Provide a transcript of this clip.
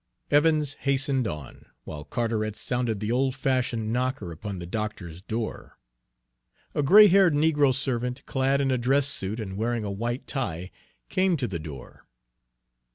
Evans hastened on, while Carteret sounded the old fashioned knocker upon the doctor's door. A gray haired negro servant, clad in a dress suit and wearing a white tie, came to the door.